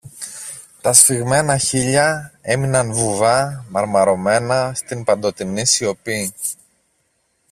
Τα σφιγμένα χείλια έμειναν βουβά, μαρμαρωμένα στην παντοτινή σιωπή.